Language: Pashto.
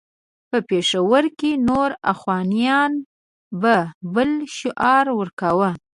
په پېښور کې نور اخوانیان به بل شعار ورکاوه.